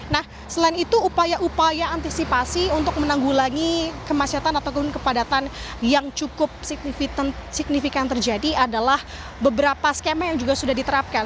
nah selain itu upaya upaya antisipasi untuk menanggulangi kemacetan ataupun kepadatan yang cukup signifikan terjadi adalah beberapa skema yang juga sudah diterapkan